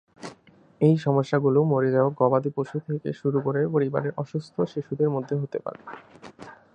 এই সমস্যাগুলি মরে যাওয়া গবাদি পশু থেকে শুরু করে পরিবারের অসুস্থ শিশুদের মধ্যে হতে পারে।